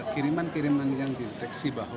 kiriman kiriman yang dideteksi bahwa